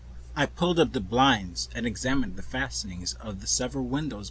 I pulled up the blinds and examined the fastenings of the several windows.